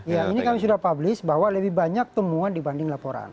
ya ini kami sudah publish bahwa lebih banyak temuan dibanding laporan